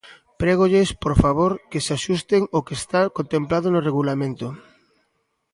Prégolles, por favor, que se axusten ao que está contemplado no Regulamento.